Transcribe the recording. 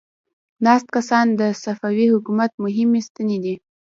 ناست کسان د صفوي حکومت مهمې ستنې دي.